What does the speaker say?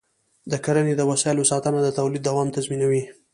د کرنې د وسایلو ساتنه د تولید دوام تضمینوي.